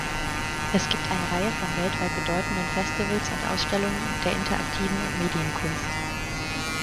Es gibt eine Reihe von weltweit bedeutenden Festivals und Ausstellungen der interaktiven und Medienkunst.